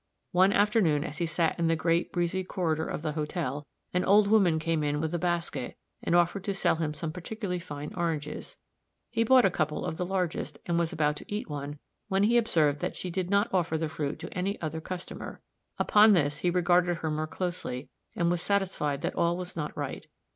One afternoon, as he sat in the great, breezy corridor of the hotel, an old woman came in with a basket and offered to sell him some particularly fine oranges. He bought a couple of the largest, and was about to eat one, when he observed that she did not offer the fruit to any other customer; upon this, he regarded her more closely, and was satisfied that all was not right.